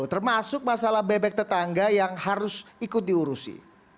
ini adalah pasal bebek tetangga yang harus ikut diurusi